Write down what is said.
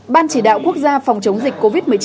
ban chỉ đạo quốc gia phòng chống dịch covid một mươi chín